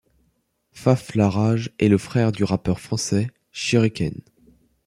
Faf Larage est le frère du rappeur français Shurik'n.